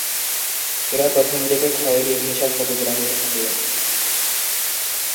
এরা প্রথম দিকে খয়েরি-ঘেঁষা সবুজ রঙের থাকে।